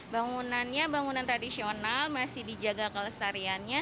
bangunannya bangunan tradisional masih dijaga kelestariannya